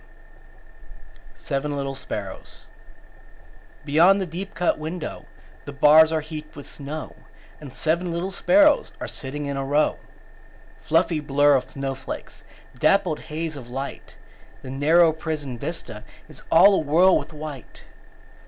_ SEVEN LITTLE SPARROWS Beyond the deep cut window The bars are heaped with snow, And seven little sparrows Are sitting in a row. Fluffy blur of snowflakes; Dappled haze of light; The narrow prison vista Is all awhirl with white.